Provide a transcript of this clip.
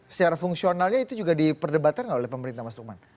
secara fungsionalnya itu juga diperdebatkan nggak oleh pemerintah mas lukman